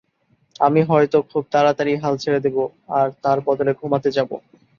আমি হয়তো খুব তারাতারিই হাল ছেড়ে দেব, আর তার বাদলে ঘুমাতে যাবো।